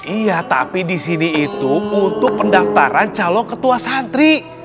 iya tapi di sini itu untuk pendaftaran calon ketua santri